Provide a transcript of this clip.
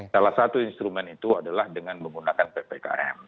salah satu instrumen itu adalah dengan menggunakan ppkm